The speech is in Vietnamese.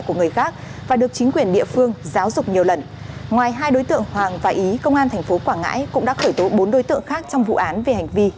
các bạn hãy đăng ký kênh để ủng hộ kênh của chúng mình nhé